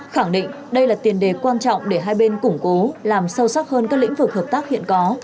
khẳng định đây là tiền đề quan trọng để hai bên củng cố làm sâu sắc hơn các lĩnh vực hợp tác hiện có